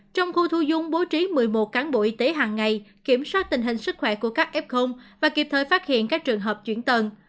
trong khu thu dung bố trí một mươi một cán bộ y tế hàng ngày kiểm soát tình hình sức khỏe của các f và kịp thời phát hiện các trường hợp chuyển tần